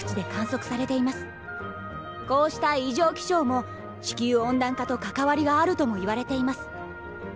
こうした異常気象も地球温暖化と関わりがあるともいわれています。